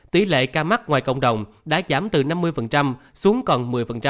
tỷ lệ ca mắc ngoài cộng đồng đã giảm từ năm mươi xuống còn một mươi